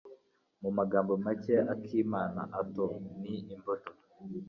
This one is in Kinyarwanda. Mu magambo make, Akimanaato ni imbuto.